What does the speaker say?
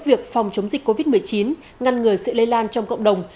việc phòng chống dịch covid một mươi chín ngăn ngừa sự lây lan trong cộng đồng